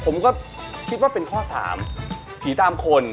ผมก็คิดว่าเป็นข้อ๓ผีตามคน